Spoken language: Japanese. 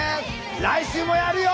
来週もやるよ！